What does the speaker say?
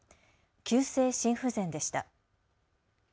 急性心不全でした。